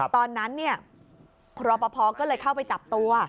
ตอนนั้นรอปภก็เลยเข้าไปจับตัว